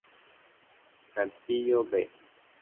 Saltillo "B"